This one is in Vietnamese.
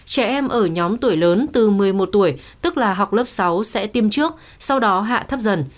trẻ em ở nhóm tuổi lớn từ một mươi một tuổi tức là học lớp sáu sẽ tiêm trước sau đó hạ thấp dần